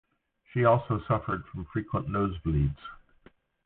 She also suffered from frequent nosebleeds.